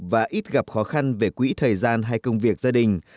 và ít gặp khó khăn về quỹ thời gian hay công việc gia đình